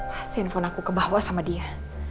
pas handphone aku kebawa sama dia